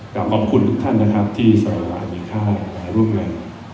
ก็ขอบคุณทุกท่านที่สบายไปข้ายร่วมงาน